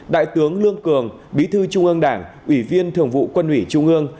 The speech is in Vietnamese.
đại tướng lương cường bí thư trung ương đảng ủy viên thường vụ quân ủy trung ương